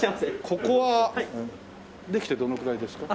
ここはできてどのくらいですか？